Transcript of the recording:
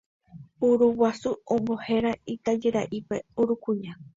Uruguasu ombohéra itajyra'ípe Urukuña.